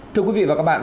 thưa quý vị và các bạn